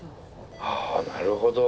はあなるほど。